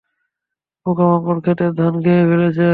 পোকামাকড় ক্ষেতের ধান খেয়ে ফেলছে।